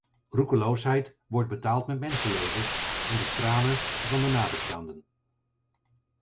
Roekeloosheid wordt betaald met mensenlevens en de tranen van de nabestaanden.